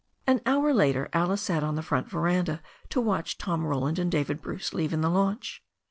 An hour later Alice sat on the front veranda to watch Tom Roland and David Bruce leave in the launch.